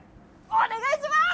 お願いします！